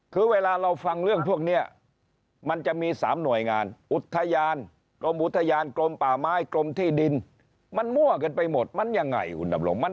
คือเวลาเราฟังเรื่องพวกนี้มันจะมี๓หน่วยงานอุทยานกรมอุทยานกรมป่าไม้กรมที่ดินมันมั่วกันไปหมดมันยังไงคุณดำรง